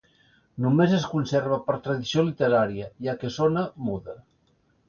Només es conserva per tradició literària, ja que sona muda.